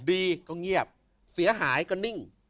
ดีก็เงียบเสียหายก็นิ่ง